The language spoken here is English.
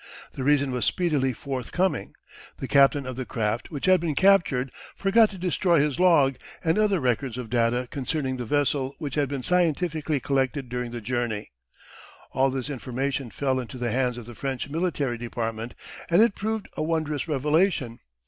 The reason was speedily forth coming. The captain of the craft which had been captured forgot to destroy his log and other records of data concerning the vessel which had been scientifically collected during the journey. All this information fell into the hands of the French military department, and it proved a wondrous revelation.